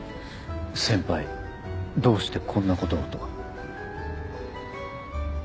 「先輩どうしてこんなことを」と。